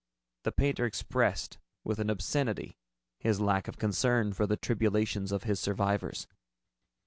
The painter expressed with an obscenity his lack of concern for the tribulations of his survivors.